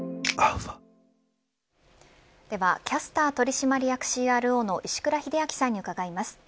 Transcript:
ではキャスター取締役ＣＲＯの石倉秀明さんに伺います。